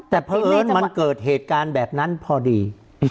แต่เพราะเอิญมันเกิดเหตุการณ์แบบนั้นพอดี